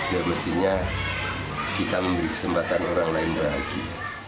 ya mestinya kita memberi kesempatan orang lain bahagia